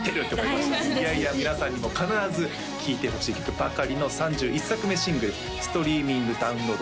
いやいや皆さんにも必ず聴いてほしい曲ばかりの３１作目シングルストリーミングダウンロード